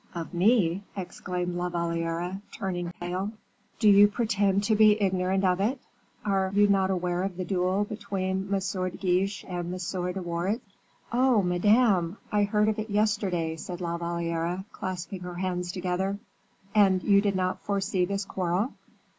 "Of me!" exclaimed La Valliere, turning pale. "Do you pretend to be ignorant of it; are you not aware of the duel between M. de Guiche and M. de Wardes?" "Oh, madame! I heard of it yesterday," said La Valliere, clasping her hands together. "And did you not foresee this quarrel?"